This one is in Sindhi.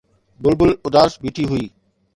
بلبل اداس بيٺي هئي